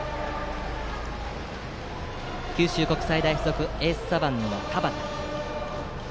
九州国際大付属はエース左腕の田端。